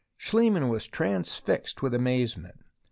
Schliemann was transfixed with amazement.